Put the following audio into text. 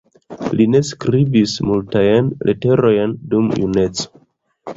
Li ne skribis multajn leterojn dum juneco.